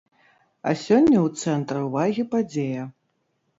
А сёння ў цэнтры ўвагі падзея.